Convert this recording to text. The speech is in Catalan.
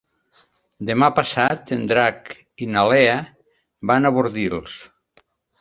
Demà passat en Drac i na Lea van a Bordils.